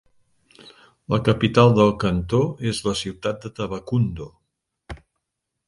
La capital del cantó és la ciutat de Tabacundo.